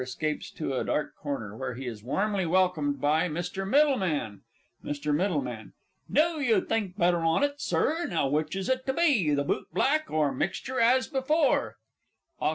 escapes to a dark corner where he is warmly welcomed by MR. MIDDLEMAN. MR. M. Knew you'd think better on it, Sir. Now which is it to be the "Boot Black," or "Mixture as Before"? AUCT.